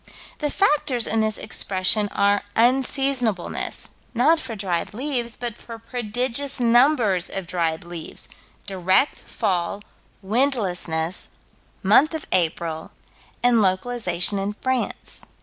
The factors in this expression are unseasonableness, not for dried leaves, but for prodigious numbers of dried leaves; direct fall, windlessness, month of April, and localization in France.